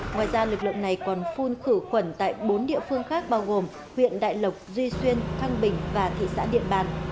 ngoài ra lực lượng này còn phun khử khuẩn tại bốn địa phương khác bao gồm huyện đại lộc duy xuyên thăng bình và thị xã điện bàn